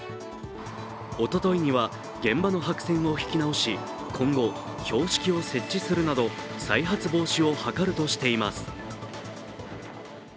おとといには現場の白線を引き直し、今後、標識を設置するなど再発防止を図るとしています。